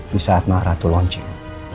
di saat maha ratu launching